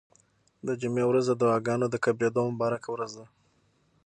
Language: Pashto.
د جمعې ورځ د دعاګانو د قبلېدو مبارکه ورځ ده.